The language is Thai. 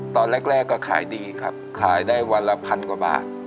ตอนแรกก็ขายดีครับขายได้วันละพันกว่าบาท